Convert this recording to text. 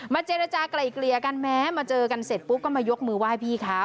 มาเจนตะจ๋ากระอิกเลียกันแม้มาเจอกันเสร็จปุ๊บก็ยกมือไหว้พี่เขา